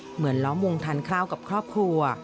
เหมือนล้อมวงทานข้าวกับครอบครัว